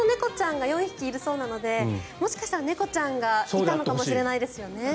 ほかの猫ちゃんが４匹いるそうなのでほかの猫ちゃんがいたのかもしれないですね。